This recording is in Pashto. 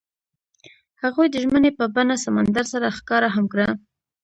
هغوی د ژمنې په بڼه سمندر سره ښکاره هم کړه.